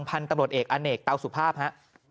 พันธุ์ตำรวจเอกอเนกเตาสุภาพฮะ